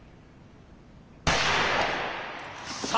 さあ